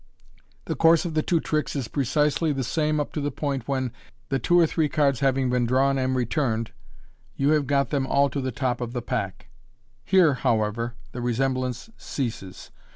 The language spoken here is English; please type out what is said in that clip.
The course of the two tricks is precisely the same up to the point when, the two or three cards having been drawn and returned, yon MODERN MAGIC. 131 have got them all to the top of the pack. Here, however, the resem blance ceases.